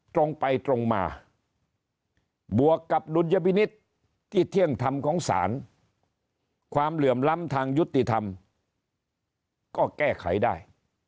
ตรงไปตรงมาบวกกับดุลยพินิษฐ์ที่เที่ยงธรรมของศาลความเหลื่อมล้ำทางยุติธรรมก็แก้ไขได้